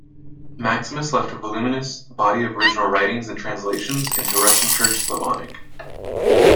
Maximus left a voluminous body of original writings and translations into Russian Church Slavonic.